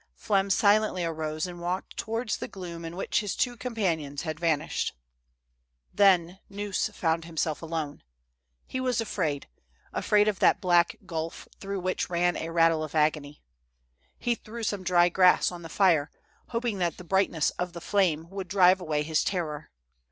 Flem silently arose and walked towards the gloom in which his two companions had vanished. Then, Gneuss found himself alone. He was afraid, afraid of that black gulf through which ran a rattle of agony. He threw some dry grass on the fire, hoping that the brightness of the flame would drive away his terror.